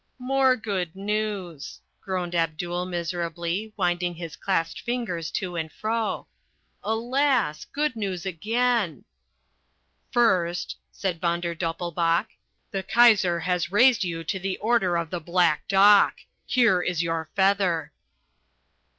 "More good news," groaned Abdul miserably, winding his clasped fingers to and fro. "Alas, good news again!" "First," said Von der Doppelbauch, "the Kaiser has raised you to the order of the Black Dock. Here is your feather."